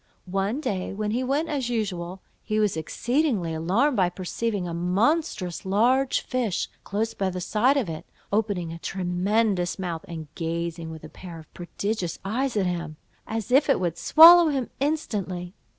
One day, when he went as usual, he was exceedingly alarmed by perceiving a monstrous large fish, close by the side of it, opening a tremendous mouth, and gazing with a pair of prodigious eyes at him, as if it would swallow him instantly.